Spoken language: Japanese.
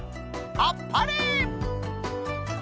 あっぱれ！